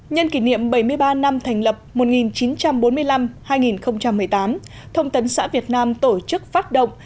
nhân kỷ niệm bảy mươi ba năm thành lập một nghìn chín trăm bốn mươi năm hai nghìn một mươi tám thông tấn xã việt nam tổ chức phát động